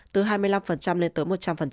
từ hai mươi năm lên tới một trăm linh